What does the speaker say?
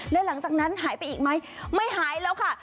แล้วหลังจากนั้นหายไปอีกไหมไม่หายแล้วค่ะ